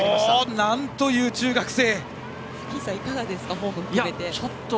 なんという中学生！